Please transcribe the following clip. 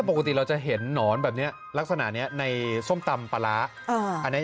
ปกติเราจะเห็นหนอนแบบนี้ลักษณะนี้ในส้มตำปลาร้า